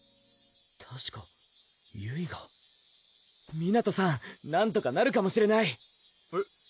たしかゆいが湊さんなんとかなるかもしれないえっ？